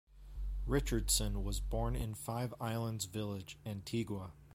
Richardson was born in Five Islands Village, Antigua.